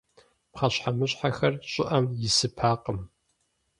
Пхъэщхьэмыщхьэхэр щӏыӏэм исыпакъым.